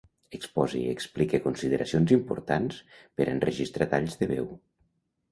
Expose i explique consideracions importants per a enregistrar talls de veu.